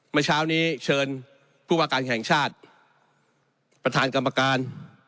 เมื่อเช้านี้เชิญผู้ว่าการแห่งชาติประธานกรรมการ